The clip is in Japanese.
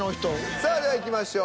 さあではいきましょう。